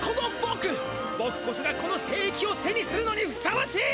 ぼくこそがこのせいいきを手にするのにふさわしい！